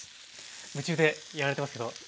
夢中でやられてますけど。